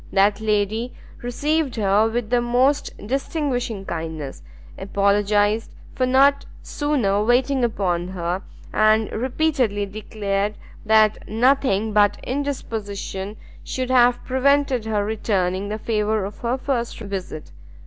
That lady received her with the most distinguishing kindness; apologised for not sooner waiting upon her, and repeatedly declared that nothing but indisposition should have prevented her returning the favour of her first visit.